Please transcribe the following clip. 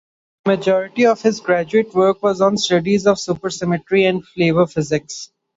The majority of his graduate work was on studies of supersymmetry and flavor physics.